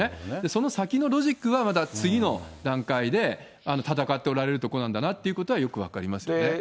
その先のロジックはまた次の段階で戦っておられるところなんだなってことはよく分かりますよね。